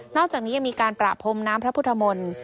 อกจากนี้ยังมีการประพรมน้ำพระพุทธมนตร์